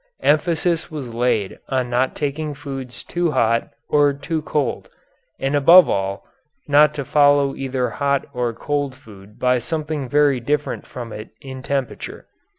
Emphasis was laid on not taking foods too hot or too cold, and above all not to follow either hot or cold food by something very different from it in temperature.